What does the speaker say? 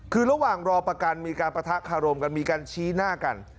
คือระหว่างรอประกันมีการปะทะคารมกันมีการชี้หน้ากัน